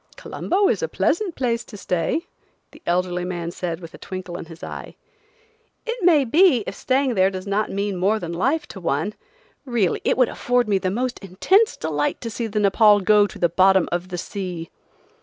"Colombo is a pleasant place to stay," the elderly man said with a twinkle in his eye. "It may be, if staying there does not mean more than life to one. Really, it would afford me the most intense delight to see the Nepaul go the bottom of the sea."